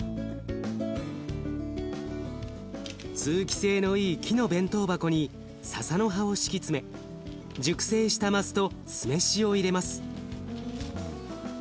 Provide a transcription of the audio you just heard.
通気性のいい木の弁当箱にささの葉を敷き詰め熟成したマスと酢飯を入れます。